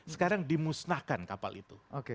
sekarang dimusnahkan kapal itu